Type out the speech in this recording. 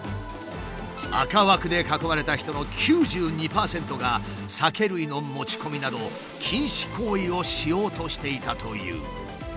赤枠で囲まれた人の９２％が酒類の持ち込みなど禁止行為をしようとしていたという。